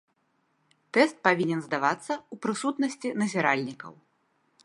Тэст павінен здавацца ў прысутнасці назіральнікаў.